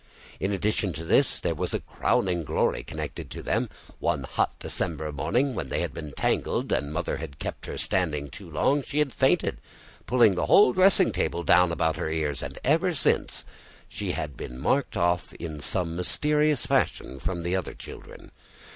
In addition to this, there was a crowning glory connected with them: one hot December morning, when they had been tangled and Mother had kept her standing too long, she had fainted, pulling the whole dressing table down about her ears; and ever since, she had been marked off in some mysterious fashion from the other children.